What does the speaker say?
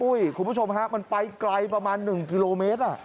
อุ๊ยคุณผู้ชมครับมันไปไกลประมาณ๑กิโลเมตร